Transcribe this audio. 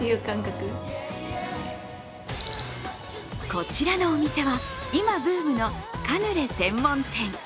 こちらのお店は今ブームのカヌレ専門店。